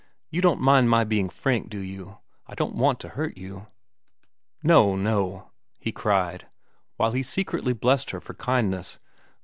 You don't mind my being frank, do you? I don't want to hurt you." "No, no," he cried, while he secretly blessed her for her kindness.